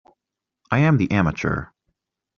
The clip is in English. I am the amateur.